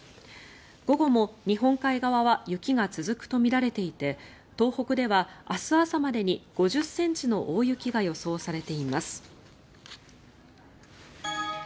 午後も日本海側は雪が続くとみられていて東北では明日朝までに５０ｃｍの大雪が予想されています。